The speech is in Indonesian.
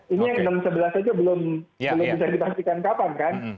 ini yang enam sebelas saja belum bisa dipastikan kapan kan